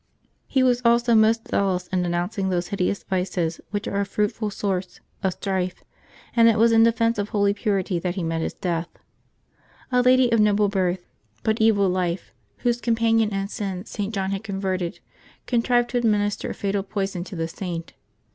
He was also most zealous in denouncing those hideous vices which are a fruitful source of strife, and it was in defence of holy purity that he met his death. A lady of noble birth but 216 LIYE8 OF TEE SAINTS [June 13 evil life, whose companion in sin St. John had converted, contrived to administer a fatal poison to the Saint.